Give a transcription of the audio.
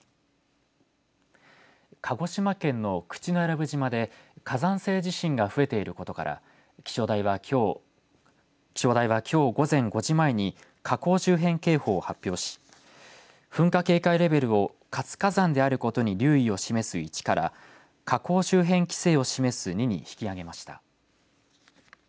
鹿児島県の口永良部島で火山性地震が増えていることから気象台は、きょう午前５時前に火口周辺警報を発表し噴火警戒レベルを活火山であることに留意を示す１から火口周辺規制を示す２に引き上げました。